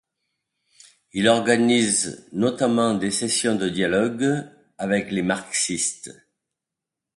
Il organise notamment des sessions de dialogue avec les marxistes.